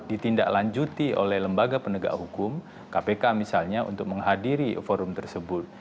ditindaklanjuti oleh lembaga penegak hukum kpk misalnya untuk menghadiri forum tersebut